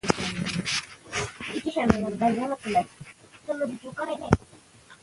که آهنګري وکړو نو اوسپنه نه زنګ کیږي.